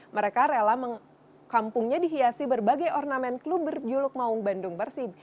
mereka rela kampungnya dihiasi berbagai ornamen klub berjuluk maung bandung persib